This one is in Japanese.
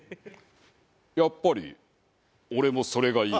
やっぱり俺もそれがいい。